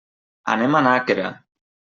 Anem a Nàquera.